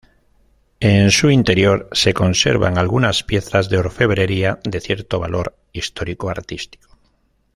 En su interior se conservan algunas piezas de orfebrería de cierto valor histórico artístico.